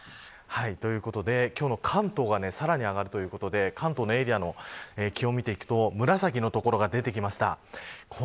ということで、今日の関東がさらに上がるということで関東のエリアを見ていくと紫の所が出てきました。